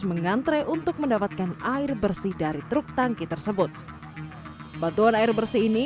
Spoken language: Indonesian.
mengantre untuk mendapatkan air bersih dari truk tangki tersebut bantuan air bersih ini